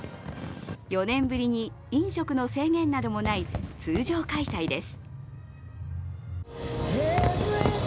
４年ぶりに飲食の制限などもない通常開催です。